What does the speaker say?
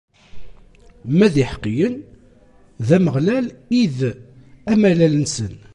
Ma d iḥeqqiyen, d Ameɣlal i d amalal-nsen.